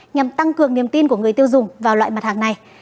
nhằm tăng cường niềm tin của người tiêu dùng vào loại mặt hàng này